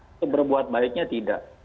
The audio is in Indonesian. itu berbuat baiknya tidak